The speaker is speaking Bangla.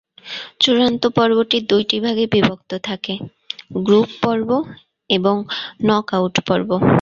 চূড়ান্ত পর্বটি দুইটি ভাগে বিভক্ত থাকে: গ্রুপ পর্ব এবং নকআউট পর্ব।